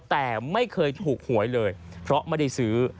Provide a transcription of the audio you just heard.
แต่ไม่เคยถูกหวยเลยเพราะไม่ได้ซื้อ